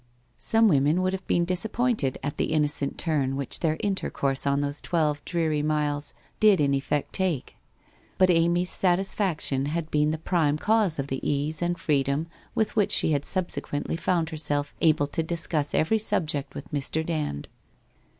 Some women would have been disappointed at the innocent turn which their intercourse on those twelve dreary miles did in effect take. But Amy's satisfaction had been the prime cause of the ease and freedom with which she had subsequently found herself able to discuss every subject with Mr. Dand.